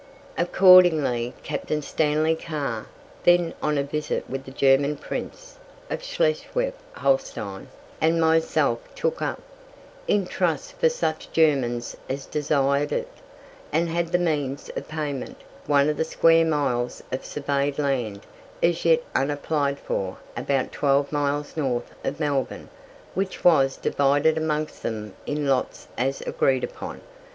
Accordingly Captain Stanley Carr (then on a visit with the German Prince of Schleswig Holstein) and myself took up, in trust for such Germans as desired it, and had the means of payment, one of the square miles of surveyed land, as yet unapplied for, about twelve miles north of Melbourne, which was divided amongst them in lots as agreed upon.